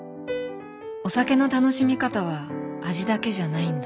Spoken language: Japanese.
お酒の楽しみ方は味だけじゃないんだ。